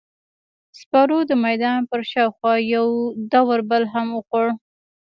سپرو د میدان پر شاوخوا یو دور بل هم وخوړ.